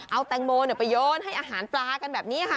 เอาแตงโมไปโยนให้อาหารปลากันแบบนี้ค่ะ